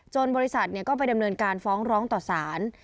บริษัทก็ไปดำเนินการฟ้องร้องต่อสาร